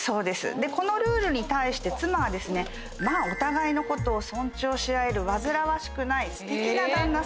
このルールに対して妻はお互いのことを尊重し合える煩わしくないすてきな旦那さん。